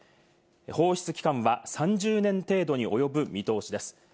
放出期間は３０年程度に及ぶ見通しです。